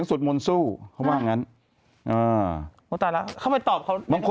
อยากรู้สึกกั้นทำอะไรอยู่ในห้อง